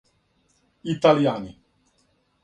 италијани